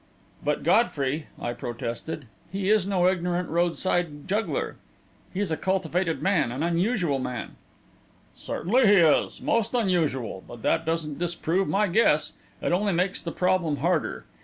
"But, Godfrey," I protested, "he is no ignorant roadside juggler. He's a cultivated man an unusual man." "Certainly he is most unusual. But that doesn't disprove my guess; it only makes the problem harder.